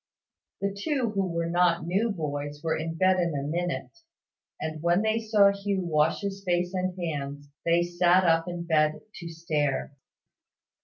The two who were not new boys were in bed in a minute; and when they saw Hugh wash his face and hands, they sat up in bed to stare.